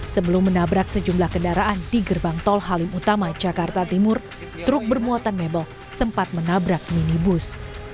sebelum menabrak sejumlah kendaraan di gerbang tol halim utama jakarta timur truk bermuatan mebel sempat menabrak minibus